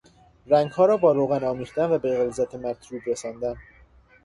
رنگها را با روغن آمیختن و به غلظت مطلوب رساندن